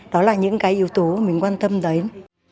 đó là những cái yếu tố mình quan tâm đấy